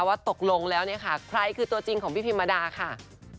ว่าตกลงแล้วเนี่ยค่ะใครคือตัวจริงของพี่พิมมาดาค่ะ